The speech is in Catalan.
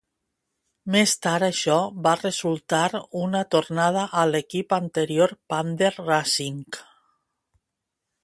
Més tard això va resultar una tornada a l'equip anterior Panther Racing.